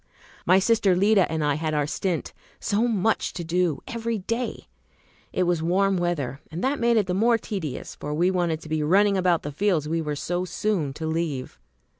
My sister Lida and I had our "stint," so much to do every day. It was warm weather, and that made it the more tedious, for we wanted to be running about the fields we were so soon to leave.